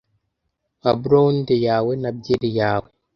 nka blonde yawe na byeri yawe